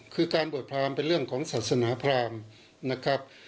คือการบวชพรามเป็นเรื่องของศาสนาพรามนะครับ